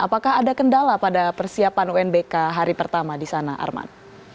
apakah ada kendala pada persiapan unbk hari pertama di sana arman